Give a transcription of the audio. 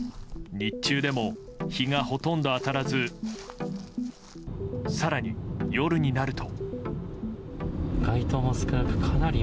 日中でも日がほとんど当たらず更に、夜になると。